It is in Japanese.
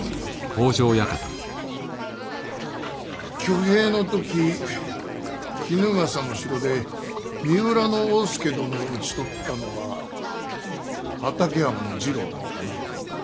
挙兵の時衣笠の城で三浦大介殿を討ち取ったのは畠山次郎だったな。